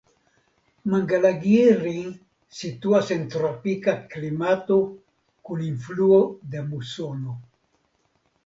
Mangalagiri situas en tropika klimato kun influo de musono.